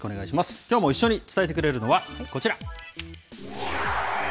きょうも一緒に伝えてくれるのは、こちら。